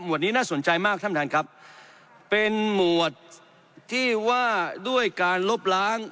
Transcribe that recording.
นี้น่าสนใจมากท่านท่านครับเป็นหมวดที่ว่าด้วยการลบล้าง